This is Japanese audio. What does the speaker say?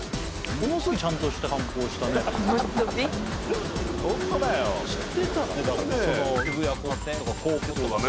ものすごいちゃんとした観光したね。